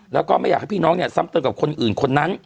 แล้วก็ไม่อยากให้พี่น้องเนี่ยซ้ำเติมกับคนอื่นคนนั้น